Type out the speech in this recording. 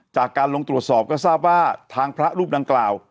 จากการลงตรวจสอบก็ทราบว่าทางพระรูปดังกล่าว